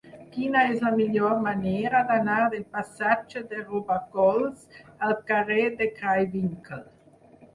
Quina és la millor manera d'anar del passatge de Robacols al carrer de Craywinckel?